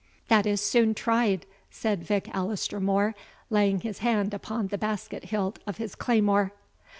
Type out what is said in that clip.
"That is soon tried," said Vich Alister More, laying his hand upon the basket hilt of his claymore.